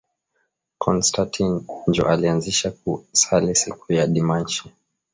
Constatin njo alianzisha ku Sali siku ya dimanche